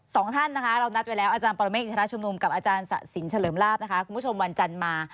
สองท่านนะคะเรานัดไว้แล้วอาจารย์ปรเมฆประดาษชุมนุมกับอาจารย์ศาสตร์สินทร์เฉลิมลาภว่านจันทร์มา